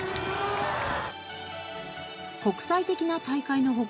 国際的な大会の他